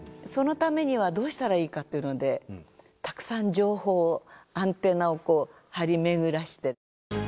そのためにはどうしたらいいかっていうのでたくさん情報をアンテナをこう張り巡らせて。